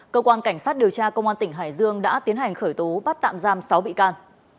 cơ quan cảnh sát điều tra công an tỉnh hải dương đã tiến hành khởi tố bắt tạm giam sáu bị can